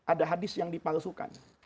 ada hadis yang dipalsukan